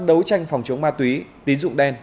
đấu tranh phòng chống ma túy tín dụng đen